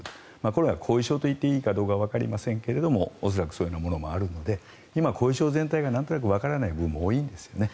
これは後遺症といっていいかどうかわかりませんが恐らくそういうものもあるので今、後遺症全体がなんとなくわからない部分も多いんですよね。